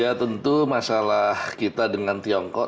ya tentu masalah kita dengan tiongkok